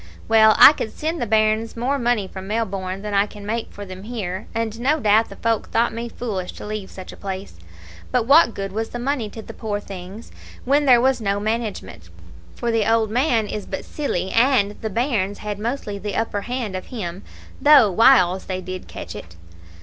"Well, I could send the bairns more money from Melbourne than I can make for them here, and no doubt the folk thought me foolish to leave such a place; but what good was the money to the poor things when there was no management, for the old man is but silly, and the bairns had mostly the upper hand of him, though whiles they did catch it.